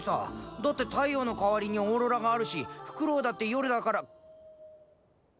だって太陽の代わりにオーロラがあるしフクロウだって夜だから。